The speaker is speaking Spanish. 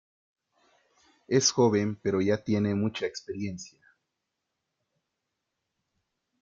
Es joven, pero ya tiene mucha experiencia.